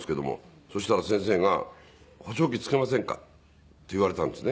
そしたら先生が「補聴器つけませんか？」って言われたんですね。